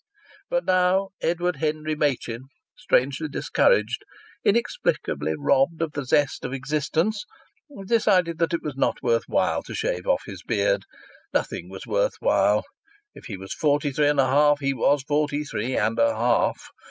But now Edward Henry Machin, strangely discouraged, inexplicably robbed of the zest of existence, decided that it was not worth while to shave off his beard. Nothing was worth while. If he was forty three and a half, he was forty three and a half!